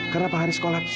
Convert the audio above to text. karena pak haris kolaps